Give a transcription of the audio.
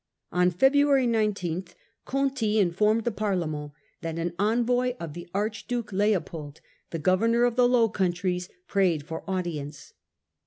On February 19 Conti informed the Parlement that an envoy of the Archduke Leopold, the governor of the Low Countries, prayed for audience.